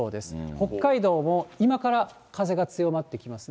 北海道も今から風が強まってきますね。